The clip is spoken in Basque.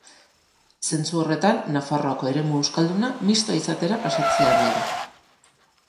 Zentzu horretan Nafarroako eremu euskalduna mistoa izatera pasatzea nahi du.